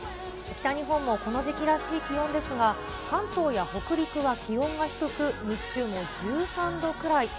北日本もこの時期らしい気温ですが、関東や北陸は気温が低く、日中も１３度くらい。